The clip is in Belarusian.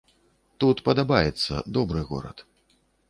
Тут падабаецца, добры горад.